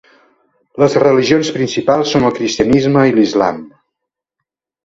Les religions principals són el cristianisme i l'islam.